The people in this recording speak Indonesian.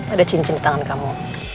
ada cincin di tangan kamu